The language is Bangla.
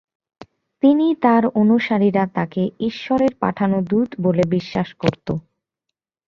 তিনি তার অনুসারীরা তাকে ঈশ্বরের পাঠানো দূত বলে বিশ্বাস করত।